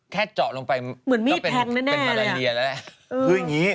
แค่เจาะลงไปก็เป็นมะระเนียแล้ว